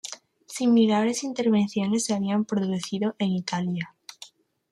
Similares intervenciones se habían producido en Italia.